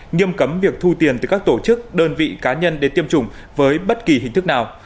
nghiêm cấm việc thu tiền từ các tổ chức đơn vị cá nhân để tiêm chủng với bất kỳ hình thức nào